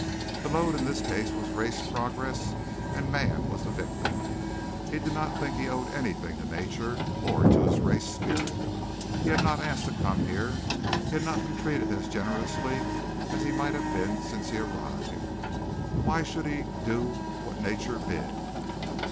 The load in this case was race progress and man was the victim. He did not think he owed anything to nature, or to this race spirit. He had not asked to come here. He had not been treated as generously as he might have been since he arrived. Why should he do what nature bid?